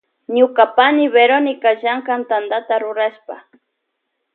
Ñuka pani Verónica llankan Tanta rurashpa.